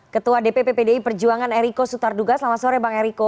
ketua dpp pdi perjuangan eriko sutarduga selamat sore bang eriko